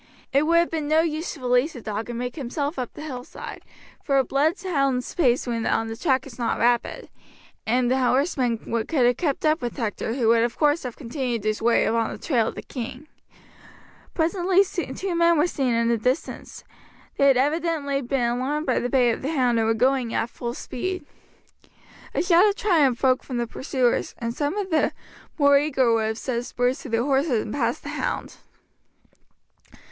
It would have been of no use to release the dog and make himself up the hillside, for a blood hound's pace when on the track is not rapid, and the horsemen could have kept up with Hector, who would of course have continued his way upon the trail of the king. Presently two men were seen in the distance; they had evidently been alarmed by the bay of the hound, and were going at full speed. A shout of triumph broke from the pursuers, and some of the more eager would have set spurs to their horses and passed the hound.